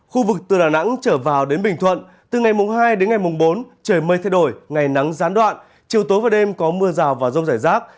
khu vực từ đà nẵng trở vào đến bình thuận từ ngày mùng hai đến ngày mùng bốn trời mây thay đổi ngày nắng gián đoạn chiều tối và đêm có mưa rào và rông rải rác